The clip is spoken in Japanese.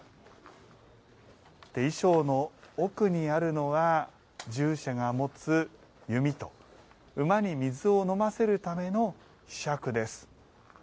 衣装の奥にあるのは従者が持つ弓と馬に水を飲ませるためのひしゃくです。